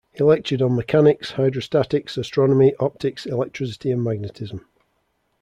He lectured on mechanics, hydrostatics, astronomy, optics, electricity and magnetism.